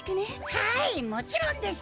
はいもちろんです。